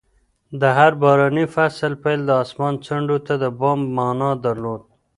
د هر باراني فصل پیل د اسمان ځنډو ته د پام مانا درلود.